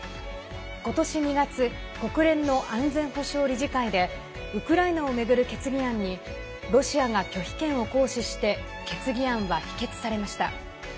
ことし２月国連の安全保障理事会でウクライナを巡る決議案にロシアが拒否権を行使して決議案は否決されました。